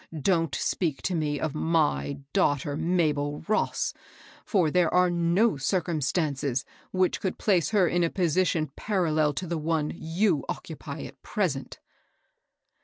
Don't speak to me of my daughter, Mabel Ross I for there are no dreumstanees which could place her in a position parallel to the one yon occupy at present."